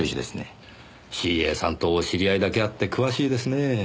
ＣＡさんとお知り合いだけあって詳しいですねぇ。